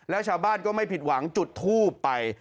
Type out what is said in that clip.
แล้วชาวบ้านก็ไม่ผิดหวังจุดทูบไป